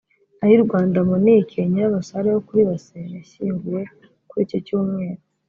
Ayirwanda Monique (Nyirabasare wo kuri Base) yashyinguwe kur iki Cyumweru